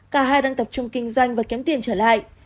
cả hai đang tập trung kinh doanh và kiếm tiền trở lại